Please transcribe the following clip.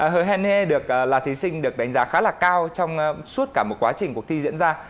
hồ hèn nghê là thí sinh được đánh giá khá là cao trong suốt cả một quá trình cuộc thi diễn ra